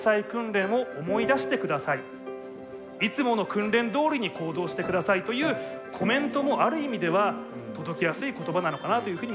いつもの訓練どおりに行動して下さいというコメントもある意味では届きやすい言葉なのかなというふうにも感じました。